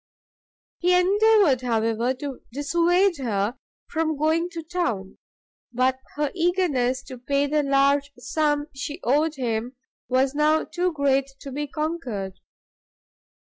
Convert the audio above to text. He endeavoured, however, to dissuade her from going to town, but her eagerness to pay the large sum she owed him, was now too great to be conquered.